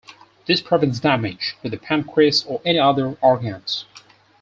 This prevents damage to the pancreas or any other organs.